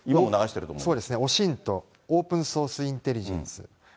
そうですね、オシント・オープンソース・インデリジェンス。